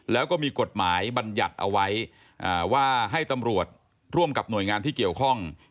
แล้วก็มีกฎหมายบรรยัติเอาไว้ว่าให้ตำรวจร่วมกับหน่วยงานที่เกี่ยวข้อง